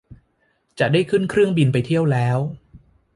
จะได้ขึ้นเครื่องบินไปเที่ยวแล้ว